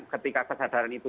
ketika kesadaran itu